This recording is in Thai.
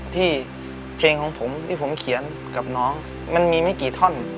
ที่เพลงของผมที่ผมเขียนกับน้องมันมีไม่กี่ท่อน